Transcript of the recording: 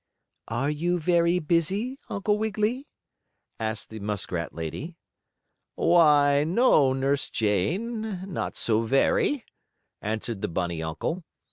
"Are you very busy, Uncle Wiggily?" asked the muskrat lady. "Why, no, Nurse Jane, not so very," answered the bunny uncle.